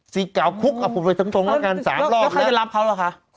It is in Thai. ศิกเก่าคุกเอาผมไปตรงแล้วกัน๓รอบแล้วแล้วใครจะรับเขาหรอคะ